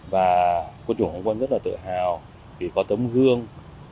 và quân chủ phòng quân rất là tự hào vì có tấm gương